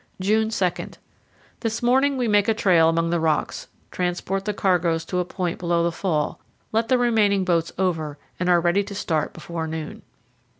June 2. This morning we make a trail among the rocks, transport the cargoes to a point below the fall, let the remaining boats over, and are ready to start before noon.